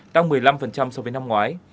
tăng một mươi năm so với năm ngoái